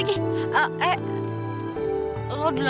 kembali balik malem